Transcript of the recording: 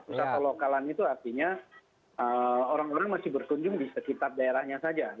wisata lokalan itu artinya orang orang masih berkunjung di sekitar daerahnya saja